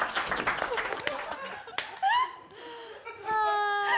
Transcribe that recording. ああ。